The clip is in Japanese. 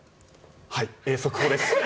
速報です。